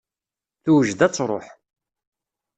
Tewjed ad truḥ.